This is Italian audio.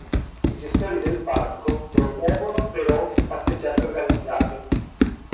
I gestori del parco promuovono però passeggiate organizzate.